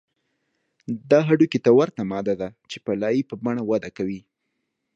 دا هډوکي ته ورته ماده ده چې په لایې په بڼه وده کوي